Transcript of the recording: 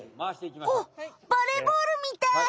おっバレーボールみたい。